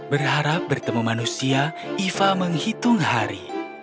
berharap bertemu manusia iva menghitung hari